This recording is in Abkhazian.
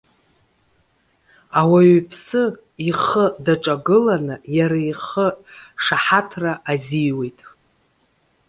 Ауаҩԥсы, ихы даҿагыланы иара ихы шаҳаҭра азиуеит.